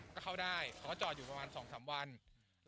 ก็เข้าได้เขาก็จอดอยู่ประมาณ๒๓วัน